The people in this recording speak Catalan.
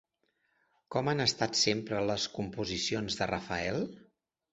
Com han estat sempre les composicions de Rafael?